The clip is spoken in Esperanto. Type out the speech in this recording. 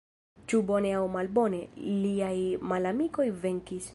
Ĉu bone aŭ malbone, liaj malamikoj venkis.